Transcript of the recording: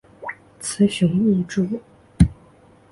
雄雌异株。